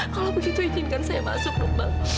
kalau begitu izinkan saya masuk nuk bang